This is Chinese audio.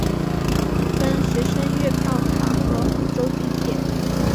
分学生月票卡和福州地铁。